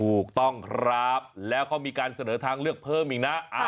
ถูกต้องครับแล้วเขามีการเสนอทางเลือกเพิ่มอีกนะ